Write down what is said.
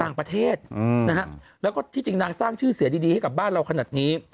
แล้วก็ที่จริงนางสร้างชื่อเสียดีให้กับบ้านเราขนาดนี้